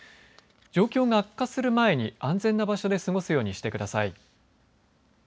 状況が悪化する前に安全な場所で過ごすようにしてください。